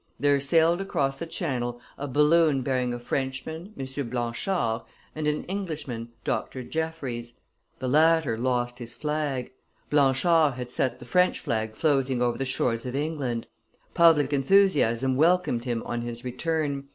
There sailed across the Channel a balloon bearing a Frenchman, M. Blanchard, and an Englishman, Dr. Jefferies; the latter lost his flag. Blanchard had set the French flag floating over the shores of England; public enthusiasm welcomed him on his return.